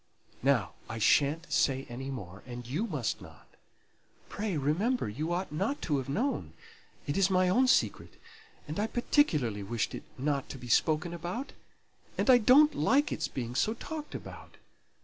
Now, I sha'n't say any more; and you must not. Pray remember you ought not to have known; it is my own secret, and I particularly wished it not to be spoken about; and I don't like its being so talked about.